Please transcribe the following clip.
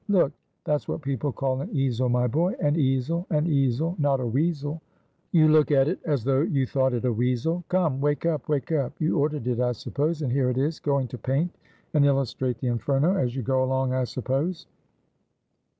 Look; that's what people call an easel, my boy. An easel, an easel not a weasel; you look at it as though you thought it a weasel. Come; wake up, wake up! You ordered it, I suppose, and here it is. Going to paint and illustrate the Inferno, as you go along, I suppose.